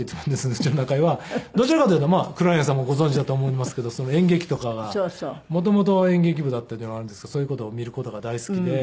うちの中井はどちらかというと黒柳さんもご存じだと思いますけど演劇とかが元々演劇部だったっていうのもあるんですがそういう事を見る事が大好きで。